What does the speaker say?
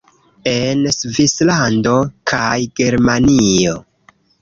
En Svislando kaj Germanio